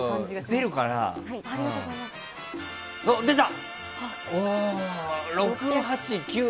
出た！